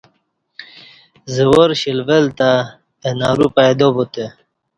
زوار شیلہ ولہ تہ اہ نرو پیدا بوتہ